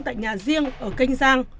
tại nhà riêng ở canh giang